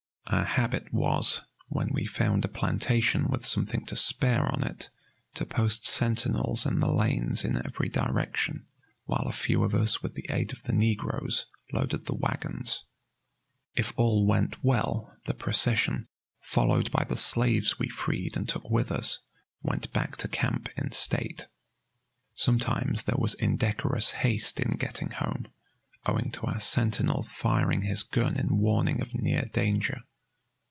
Our habit was, when we found a plantation with something to spare on it, to post sentinels in the lanes in every direction, while a few of us with the aid of the negroes loaded the wagons. If all went well, the procession, followed by the slaves we freed and took with us, went back to camp in state. Sometimes there was indecorous haste in getting home, owing to our sentinel firing his gun in warning of near danger.